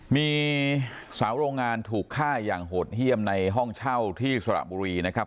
มีสาวโรงงานถูกฆ่าอย่างโหดเยี่ยมในห้องเช่าที่สระบุรีนะครับ